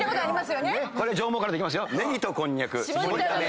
これ上毛かるたいきますよ。